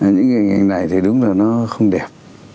những hình ảnh này thì đúng là nó không đẹp